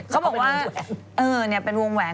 เขาบอกว่าอือเนี่ยเป็นวงแหวง